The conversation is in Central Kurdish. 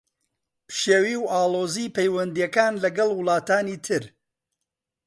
پشێوی و ئاڵۆزیی پەیوەندییەکان لەگەڵ وڵاتانی تر